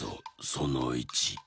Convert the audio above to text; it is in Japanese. その１。